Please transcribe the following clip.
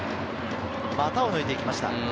股を抜いていきました。